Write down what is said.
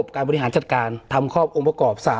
๒การบริหารจัดการทำข้อมประกอบ